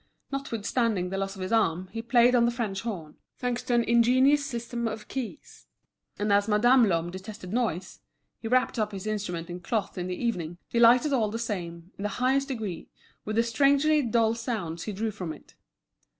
Notwithstanding the loss of his arm, he played on the French horn, thanks to an ingenious system of keys; and as Madame Lhomme detested noise, he wrapped up his instrument in cloth in the evening, delighted all the same, in the highest degree, with the strangely dull sounds he drew from it.